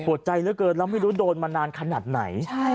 ใจเหลือเกินแล้วไม่รู้โดนมานานขนาดไหน